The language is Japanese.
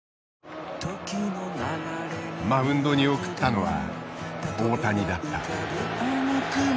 マウンドに送ったのは大谷だった。